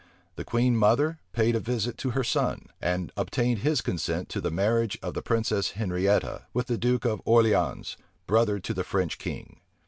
The queen mother paid a visit to her son; and obtained his consent to the marriage of the princess Henrietta with the duke of Orleans, brother to the French king.